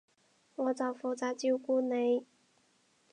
我就負責照顧你